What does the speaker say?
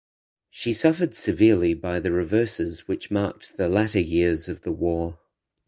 She suffered severely by the reverses which marked the latter years of the war.